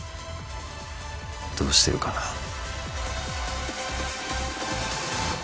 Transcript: フッどうしてるかな。